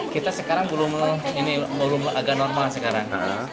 kita sekarang belum agak normal sekarang